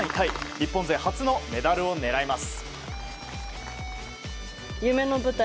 日本勢初のメダルを狙います。